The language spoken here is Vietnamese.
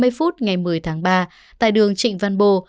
ngày hai mươi hai h ba mươi phút ngày một mươi tháng ba tại đường trịnh văn bô